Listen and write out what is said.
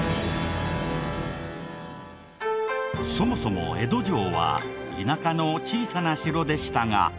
そもそも江戸城は田舎の小さな城でしたが。